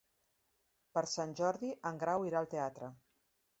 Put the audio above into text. Per Sant Jordi en Grau irà al teatre.